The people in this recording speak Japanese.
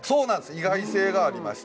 意外性がありまして。